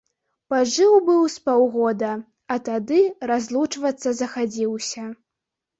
Пажыў быў з паўгода, а тады разлучвацца захадзіўся.